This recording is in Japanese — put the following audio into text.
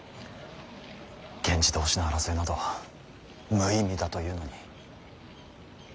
源氏同士の争いなど無意味だというのに。